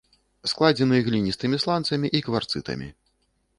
Складзены гліністымі сланцамі і кварцытамі.